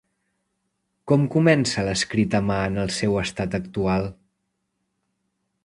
Com comença l'escrit a mà en el seu estat actual?